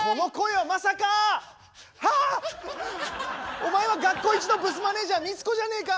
お前は学校一のブスマネージャーミツコじゃねえか！